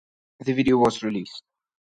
The video was released.